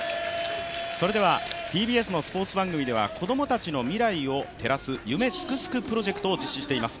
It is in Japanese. それでは、ＴＢＳのスポーツ番組では子供たちの未来を照らす夢すくすくプロジェクトを実施しています。